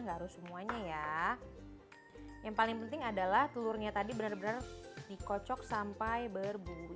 ada semuanya ya yang paling penting adalah telurnya tadi benar benar dikocok sampai berbuih cabai